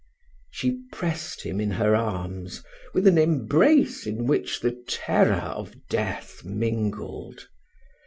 She pressed him in her arms with an embrace in which the terror of death mingled.